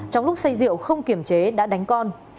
trong lúc say rượu không kiểm chế đã đánh con